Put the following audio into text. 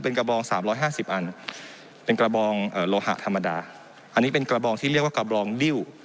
เป็นกระบอง๓๕๐อันเป็นกระบองโลหะธรรมดาอันนี้เป็นกระบองที่เรียกว่ากระบองดิ้ว